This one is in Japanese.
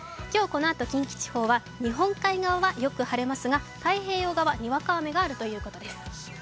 今日このあと近畿地方は日本海側はよく晴れますが、太平洋側は、にわか雨があるということです。